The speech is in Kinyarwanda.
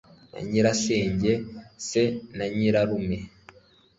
na nyirasenge se na nyirarume